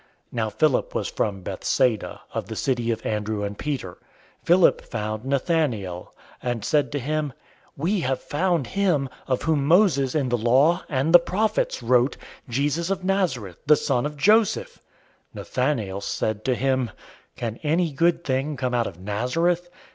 001:044 Now Philip was from Bethsaida, of the city of Andrew and Peter. 001:045 Philip found Nathanael, and said to him, "We have found him, of whom Moses in the law, and the prophets, wrote: Jesus of Nazareth, the son of Joseph." 001:046 Nathanael said to him, "Can any good thing come out of Nazareth?"